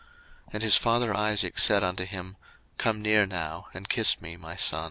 01:027:026 And his father Isaac said unto him, Come near now, and kiss me, my son.